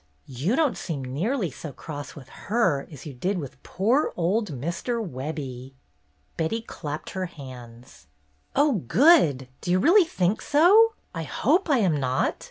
You don't seem nearly so cross with her as you did with poor old Mr. Webbie." Betty clapped her hands. "Oh, good! Do you really think so? I hope I am not.